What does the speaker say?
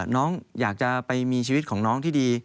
น้องอยากจะไปมีชีวิตของน้องที่ดี